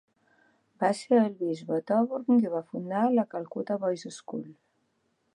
Va ser el bisbe Thoburn qui va fundar la Calcutta Boys' School.